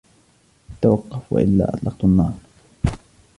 توقف و إلا أطلقت النار.